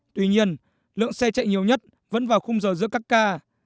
tuy nhiên lượng xe chạy nhiều nhất vẫn vào khung giờ giữa các ca